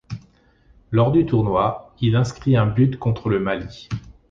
Lors du tournoi, il inscrit un but contre le Mali.